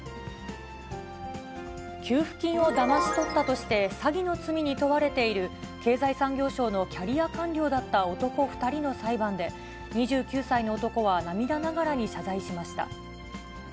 給付金をだまし取ったとして、詐欺の罪に問われている、経済産業省のキャリア官僚だった男２人の裁判で、２９歳の男は涙ながらに謝罪しました。